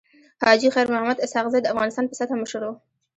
حاجي خير محمد اسحق زی د افغانستان په سطحه مشر وو.